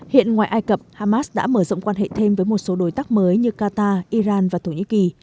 hiện ngoài ai cập hamas đã mở rộng quan hệ thêm với một số đối tác mới như qatar iran và thổ nhĩ kỳ